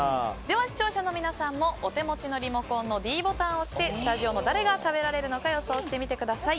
視聴者の皆さんもお手持ちのリモコンのｄボタンを押してスタジオの誰が食べられるのか予想してみてください。